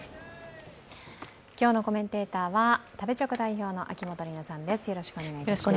今日のコメンテーターは食べチョク代表の秋元里奈さんです。